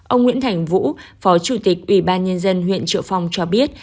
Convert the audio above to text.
ông nguyễn thành vũ phó chủ tịch ủy ban nhân dân huyện triệu phong cho biết